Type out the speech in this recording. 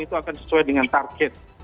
itu akan sesuai dengan target